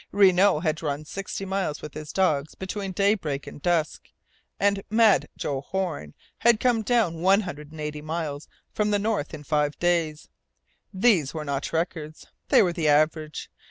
Renault had run sixty miles with his dogs between daybreak and dusk, and "Mad" Joe Horn had come down one hundred and eighty miles from the North in five days. These were not records. They were the average.